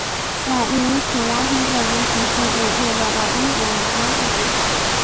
在第一次鸦片战争时期被借调到英国武装部队。